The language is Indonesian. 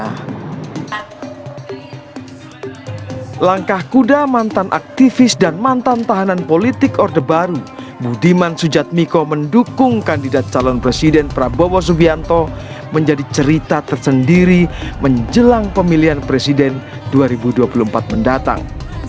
langkah kuda mantan aktivis dan mantan tahanan politik orde baru budiman sujatmiko mendukung kandidat calon presiden prabowo subianto menjadi cerita tersendiri menjelang pemilihan presiden dua ribu dua puluh empat mendatang